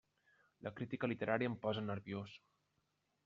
La crítica literària em posa nerviós!